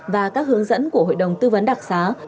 và các hướng dẫn của hội đồng tư vấn đặc xá